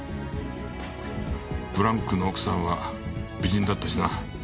ブランクの奥さんは美人だったしな。